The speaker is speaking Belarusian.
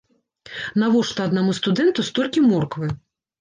Навошта аднаму студэнту столькі морквы?